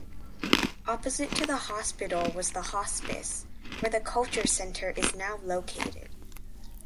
Opposite to the Hospital was the Hospice, where the Culture Center is now located.